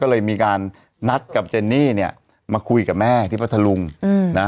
ก็เลยมีการนัดกับเจนนี่เนี่ยมาคุยกับแม่ที่พัทธลุงนะ